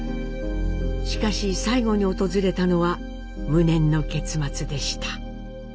しかし最後に訪れたのは無念の結末でした。